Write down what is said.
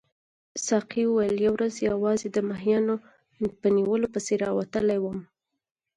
ساقي وویل یوه ورځ یوازې د ماهیانو په نیولو پسې راوتلی وم.